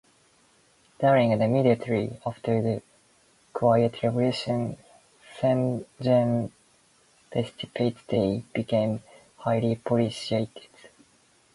During and immediately after the Quiet Revolution, Saint-Jean-Baptiste Day became highly politicized.